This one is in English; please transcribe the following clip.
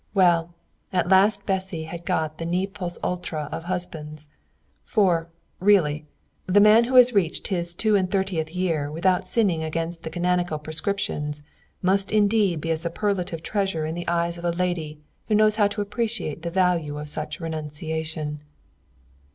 Well, at last Bessy had got the ne plus ultra of husbands. For, really, the man who has reached his two and thirtieth year without sinning against the canonical prescriptions must indeed be a superlative treasure in the eyes of a lady who knows how to appreciate the value of such renunciation.